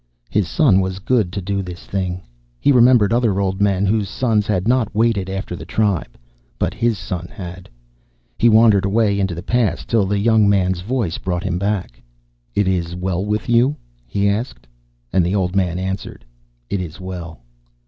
His son was good to do this thing. He remembered other old men whose sons had not waited after the tribe. But his son had. He wandered away into the past, till the young man's voice brought him back. "Is it well with you?" he asked. And the old man answered, "It is well."